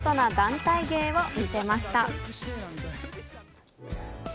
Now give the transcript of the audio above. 見事な団体芸を見せました。